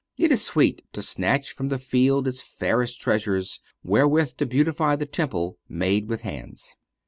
It is sweet to snatch from the field its fairest treasures wherewith to beautify the temple made with hands.